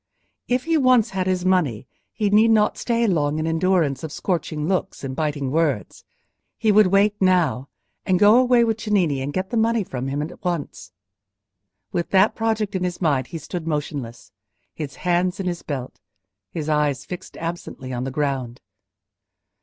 If he once had his money he need not stay long in endurance of scorching looks and biting words. He would wait now, and go away with Cennini and get the money from him at once. With that project in his mind he stood motionless—his hands in his belt, his eyes fixed absently on the ground.